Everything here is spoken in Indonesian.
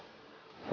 tapi dengan gini guys